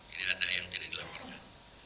ini ada yang jadi dilaporkan